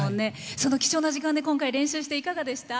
その貴重な時間で練習して今回、いかがでした？